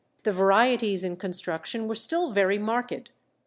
The varieties in construction were still very marked.